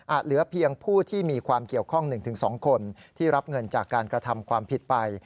เหลือเพียงผู้ที่มีความเกี่ยวข้อง๑๒คนที่รับเงินจากการกระทำความผิดไป